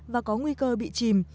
và có nguy cơ bị chìm